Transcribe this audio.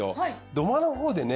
土間のほうでね